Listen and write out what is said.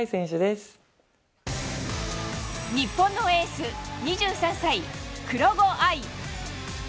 日本のエース２３歳、黒後愛。